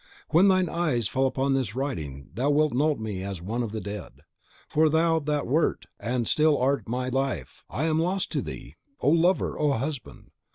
When thine eyes fall upon this writing thou wilt know me as one of the dead. For thou that wert, and still art my life, I am lost to thee! O lover! O husband!